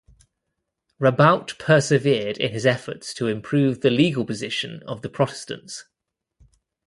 Rabaut persevered in his efforts to improve the legal position of the Protestants.